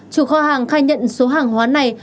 chủ kho hàng khai nhận số hàng hóa này